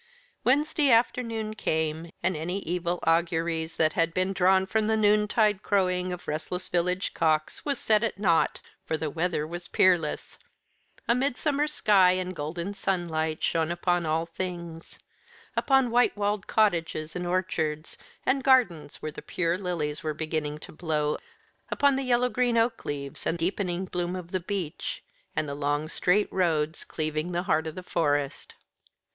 Wednesday afternoon came, and any evil auguries that had been drawn from the noontide crowing of restless village cocks was set at naught, for the weather was peerless: a midsummer sky and golden sunlight shone upon all things; upon white walled cottages and orchards, and gardens where the pure lilies were beginning to blow, upon the yellow green oak leaves and deepening bloom of the beech, and the long straight roads cleaving the heart of the Forest.